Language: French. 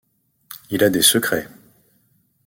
Il a des secrets. .